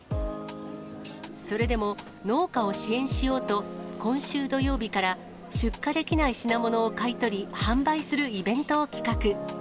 それでも、農家を支援しようと、今週土曜日から、出荷できない品物を買い取り、販売するイベントを企画。